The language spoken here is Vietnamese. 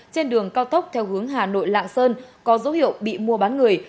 trên đường cao tốc theo hướng hà nội lạng sơn có dấu hiệu bị mua bán người